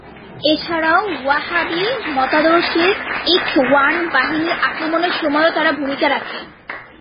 এছাড়াও ওয়াহাবি মতাদর্শের ইখওয়ান বাহিনীর আক্রমণের সময়ও তারা ভূমিকা রাখে।